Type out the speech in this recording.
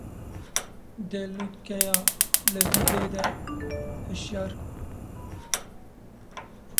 Di lûtkeya Livîvê de hişyariya dubarebûna karesata Çernobîlê hat dayîn.